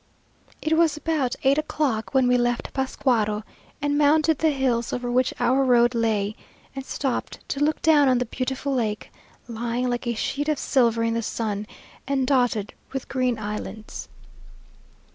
It was about eight o'clock when we left Pascuaro, and mounted the hills over which our road lay, and stopped to look down on the beautiful lake, lying like a sheet of silver in the sun, and dotted with green islands.